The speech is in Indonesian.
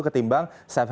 ketimbang safe haven